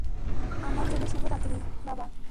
আমার জন্য শুভরাত্রি, বাবা।